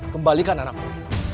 kembalikan anak aku